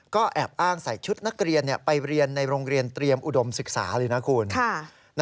ก็แอบอ้างใส่ชุดนักเรียนไปเรียนในโรงเรียนเตรียมอุดมศึกษาเลยนะคุณ